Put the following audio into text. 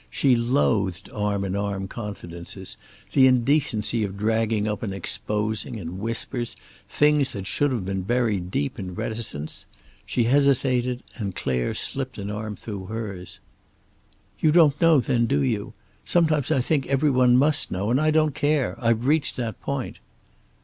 She loathed arm in arm confidences, the indecency of dragging up and exposing, in whispers, things that should have been buried deep in reticence. She hesitated, and Clare slipped an arm through hers. "You don't know, then, do you? Sometimes I think every one must know. And I don't care. I've reached that point."